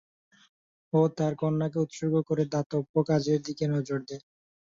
ও তার কন্যাকে উৎসর্গ করে দাতব্য কাজের দিকে নজর দেন।